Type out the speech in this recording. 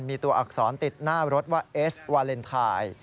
มีตัวอักษรติดหน้ารถว่าเอสวาเลนไทย